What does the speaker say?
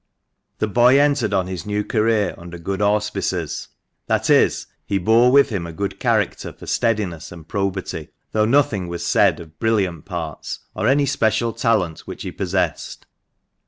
The boy entered on his new career under good auspices — that is, he bore with him a good character for steadiness and probity, though nothing was said of brilliant parts, or any special talent which he possessed.